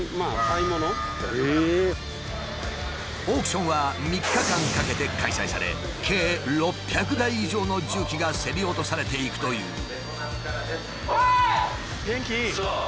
オークションは３日間かけて開催され計６００台以上の重機が競り落とされていくという。